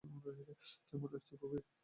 কেমন লাগছে, খুকি?